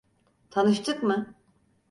Tanıştık mı?